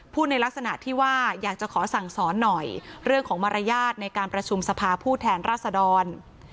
ในลักษณะที่ว่าอยากจะขอสั่งสอนหน่อยเรื่องของมารยาทในการประชุมสภาผู้แทนราษดร